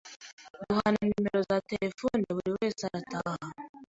Duhana numero za telefone buri wese arataha,